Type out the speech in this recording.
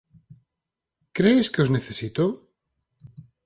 Crees que os necesito?